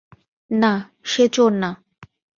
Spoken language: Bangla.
না, সে চোর না।